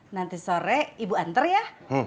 nanti sore ibu antar ya